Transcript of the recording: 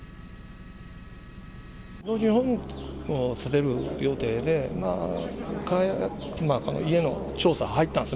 老人ホームを建てる予定で、家の調査、入ったんです。